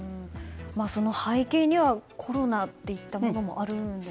背景にはコロナといったものもあるんでしょうか。